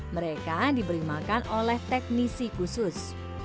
mereka diberi makan oleh teknisi khusus